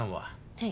はい。